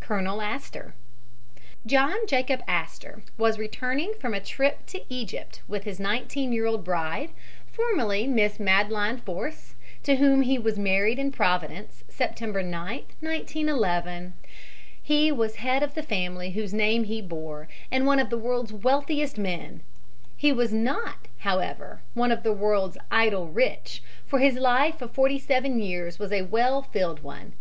COLONEL ASTOR John Jacob Astor was returning from a trip to Egypt with his nineteen year old bride, formerly Miss Madeline Force, to whom he was married in Providence, September 9, 1911. He was head of the family whose name he bore and one of the world's wealthiest men. He was not, however, one of the world's "idle rich," for his life of forty seven years was a well filled one.